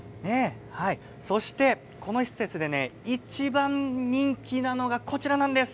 そしてこの施設で一番人気なのがこちらなんです。